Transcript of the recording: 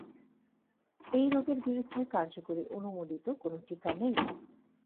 এই রোগের বিরুদ্ধে কার্যকরী অনুমোদিত কোনো টিকা নেই।